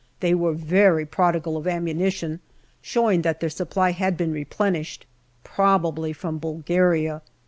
They were very prodigal of ammunition, showing that their supply had been replenished, probably from Bulgaria.